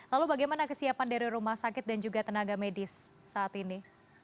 lalu bagaimana kesiapan dari rumah sakit dan juga tenaga medis saat ini